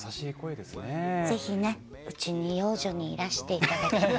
ぜひうちに養女にいらしていただきたい。